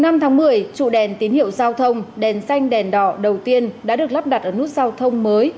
ngày năm tháng một mươi trụ đèn tín hiệu giao thông đèn xanh đèn đỏ đầu tiên đã được lắp đặt ở nút giao thông mới